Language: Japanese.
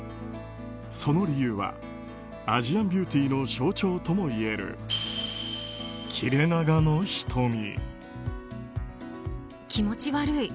その理由はアジアンビューティーの象徴ともいえる切れ長の瞳。